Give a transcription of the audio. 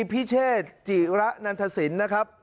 พิเชษจิระนันทศิลป์นะครับ